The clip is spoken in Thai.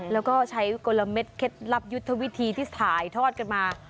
แล้วก็ใช้กลมเคล็ดลับยุทธวิธีที่ถ่ายทอดกันมา